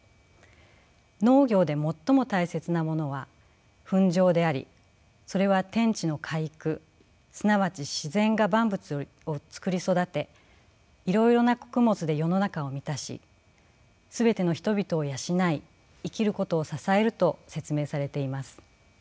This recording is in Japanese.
農業で最も大切なものは糞壌でありそれは天地の化育すなわち自然が万物をつくり育ていろいろな穀物で世の中を充たし全ての人々を養い生きることを支えると説明されています。